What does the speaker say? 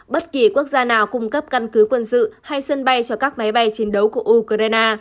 bất kỳ quốc gia nào cung cấp căn cứ quân sự hay sân bay cho các máy bay chiến đấu của ukraine